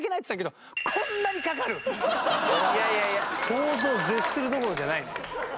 想像を絶するどころじゃないね。